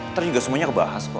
ntar juga semuanya kebahas pak